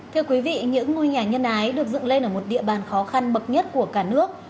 thưa quý vị những ngôi nhà nhân ái được dựng lên ở một địa bàn khó khăn bậc nhất của cả nước